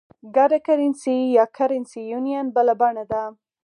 ګډه کرنسي یا Currency Union بله بڼه ده.